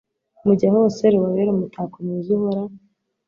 mujya hose, rubabere umutako mwiza uhora